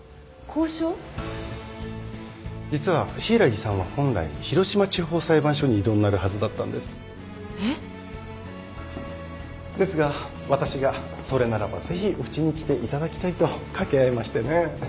実は柊木さんは本来広島地方裁判所に異動になるはずだったんです。えっ？ですが私がそれならばぜひうちに来ていただきたいと掛け合いましてね。